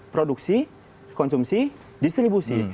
produksi konsumsi distribusi